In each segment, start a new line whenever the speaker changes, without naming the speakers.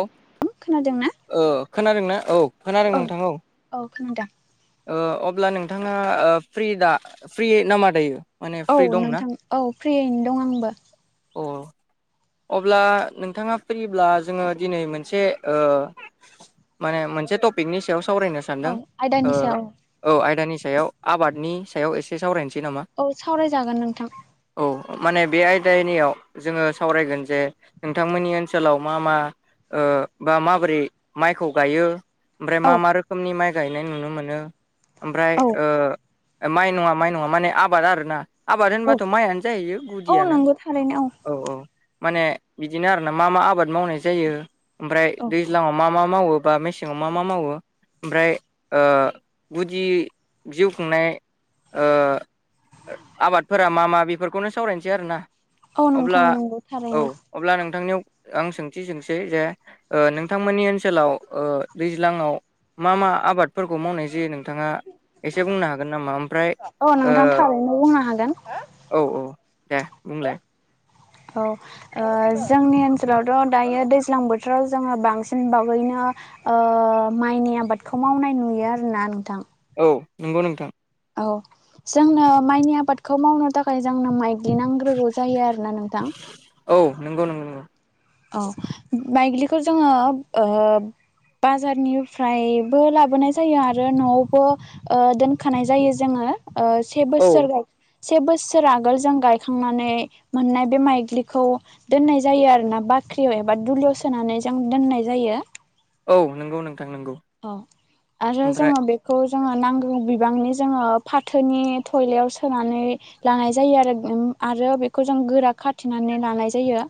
औ
खोनादोंना
ओ खोनादों ना औ खोनादों नोंथां औ।
[unintelligible]
ओ अब्ला नोंथाङा ओ फ्रि दा फ्रि नामा दायो? माने
औ
फ्रि दंना
नोंथां औ फ्रियैनो दं आंबो।
औ। अब्ला नोंथाङा फ्रिब्ला जोङो दिनै मोनसे ओ माने मोनसे तपिकनि सायाव सावरायनो
औ
सानदों
आयदानि
ओ
सायाव
औ आयदानि सायाव आबादनि सायाव एसे सावरायनस
औ सावरायजागोन नोंथां।
औ माने बे आयदानियाव जोङो सावरायगोन जे नोंथांमोननि ओनसोलाव मा मा ओ बा माबोरै माइखौ गायो। ओमफ्राय
औ
मा मा रोखोमनि माइ गायनाय नुनो मोनो ओमफ्राय
औ
ओ माइ नङा माइ नङा माने आबाद आरो ना। आबाद
औ
होनबाथ' माइआनो जाहैयो
औ
गुदियानो
नंगौ थारैनो
औ औ। माने बिदिनो आरोना मा मा आबाद मावनाय जायो ओमफ्राय
औ
दैज्लाङाव मा मा मावो बा मेसेङाव मा मा मावो ओमफ्राय ओ गुदि जिउ खुंनाय ओ ओ आबादफोरा मा मा बेफोरखौनो सावरायनोसै आरो ना।
औ नोंथां नोंगौ।
औ अब्ला नों थांनियाव आं सोंथि सोंसै जे ओ नोंथांमोननि ओनसोलाव ओ दैज्लाङाव मा मा आबादफोरखौ मावनाय जायो नों थाङा एसे बुंनो हागोन नामा ओमफ्राय
औ नोंथां थारैनो बुंनो हागोन
ओ औ औ। दे बुंलाय।
औ ओ जोंनि ओनसोलावथ' दायो दैज्लां बोथोराव जोङो बांसिन बावैनो आ ओ माइनि आबादखौ मावनाय नुयो आरोना नोंथां।
औ नोंगौ नोंथां।
औ जोंनो माइनि आबादखौ मावनो थाखाय जोंनो माइग्लि नांग्रोगौ जायो आरोना नोंथां।
औ नोंगौ नोंगौ नोंगौ।
औ माइग्लिखौ जोङो ओ बाजारनिफ्रायबो लाबोनाय जायो आरो न'आवबो ओ दोनखानाय जायो जोङो। ओ से
औ
बोसोर [unintelligible] से बोसोर आगोल जों गायखांनानै मोननाय बे माइग्लिखौ दोननाय जायो आरोना बा ख्रियाव एबा दुलियाव सोनानै जों दोननाय जायो।
औ नोंगौ नों
औ आरो जोङो बेखौ जोङो नांगौ बिबांनि जोङो फाथोनि थयलायाव सोनानै लानाय जायो आरो उम आरो बेखौ जों गोरा खाथिनानै लानाय जायो।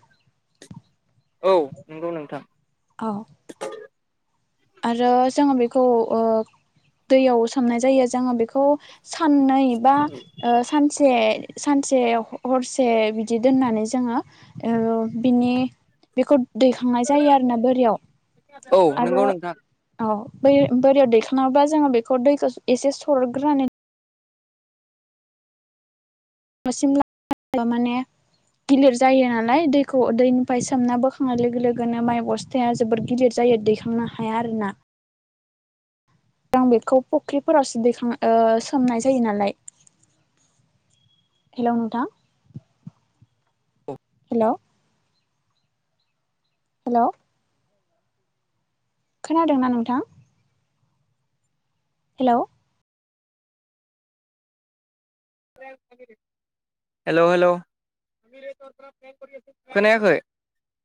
औ नंगौ नोंथां।
औ। आरो जोङो बेखौ ओ दैयाव सोमनाय जायो जोङो बेखौ साननै बा ओ सानसे सानसे हरसे बिदि दोननानै जोङो ओ बिनि बेखौ दैखांनाय जायो आरोना बोरियाव
औ नंगौ
आरो
नोंथां
औ बै बोरियाव दैखाङोबा जोङो बेखौ दैखौ एसे सरदग्रोनानै बर [inaudible] माने गिलिर जायो नालाय दैखौ दैनिफाय सोमना बोखांनाय लोगो लोगोनो माइ बस्थाया जोबोर गिलिर जा दैखांनो हाया आरोना आं बेखौ फुख्रिफोरावसो दैखां ओ सोमनाय जायो नालाय हेल' नोंथां हेल' हेल' खोनादोंना नोंथां? हेल'
हेल' हेल' खोनायाखै